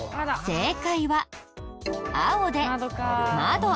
正解は青で窓。